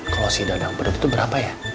kalau si dadang beduk itu berapa ya